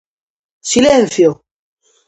-Silencio!